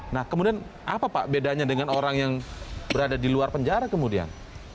nah kemudian apa pak bedanya dengan orang yang berada di luar penjara kemudian